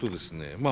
まあ